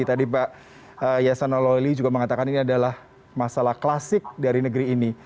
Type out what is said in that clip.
tadi pak yasona loli juga mengatakan ini adalah masalah klasik dari negeri ini